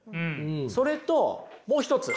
それともう一つ。